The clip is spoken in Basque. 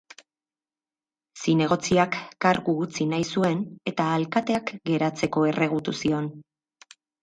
Zinegotziak kargu utzi nahi zuen eta alkateak geratzeko erregutu zion.